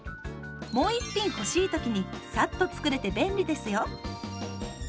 もう１品欲しい時にサッと作れて便利ですよ。